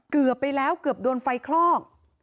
เกือบไปแล้วเกือบโดนไฟคลอก